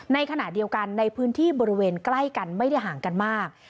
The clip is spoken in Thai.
ในขณะเดียวกันในพื้นที่บริเวณใกล้กันไม่ได้ห่างกันมาก